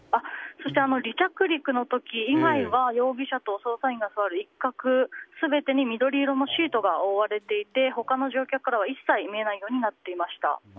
離着陸の時以外は容疑者と捜査員が座る一角全てに緑色のシートが覆われていて、他の乗客からは一切見えないようになっていました。